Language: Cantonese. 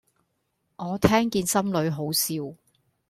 我聽見心裏好笑